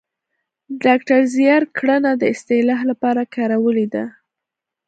ډاکتر زیار ګړنه د اصطلاح لپاره کارولې ده